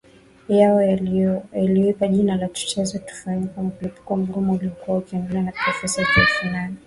yao waliyoipa jina la Tucheze wafanyakazi mlipuko mgumu iliyokuwa ikiundwa na Profesa Jay Fanani